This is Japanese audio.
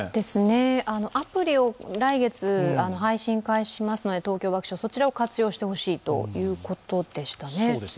アプリを来月配信開始しますのでＴＯＫＹＯワクションを活用してほしいということでしたね。